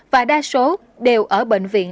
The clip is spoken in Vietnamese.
và đa số đều ở bệnh viện